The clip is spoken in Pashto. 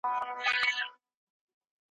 زړۀ چاودے ستادملکه ځم مات یم